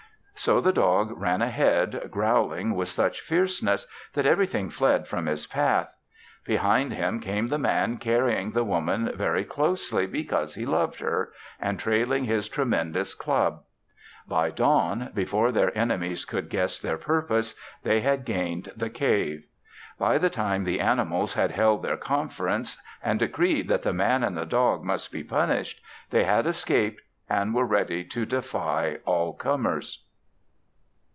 So the dog ran ahead growling with such fierceness that everything fled from his path. Behind him came the Man carrying the Woman very closely because he loved her, and trailing his tremendous club. By dawn, before their enemies could guess their purpose, they had gained the cave. By the time the animals had held their conference and decreed that the Man and the dog must be punished, they had escaped and were ready to defy all comers.